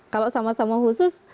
kalau sama sama khusus